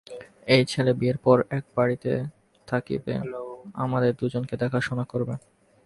এই ছেলে বিয়ের পর এ-বাড়িতে থাকবে, আমাদের দুজনকে দেখাশোনা করবে।